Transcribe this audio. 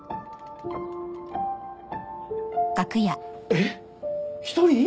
・えっ１人？